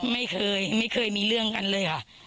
ไม่เคยไม่เคยมีเรื่องกันเลยค่ะ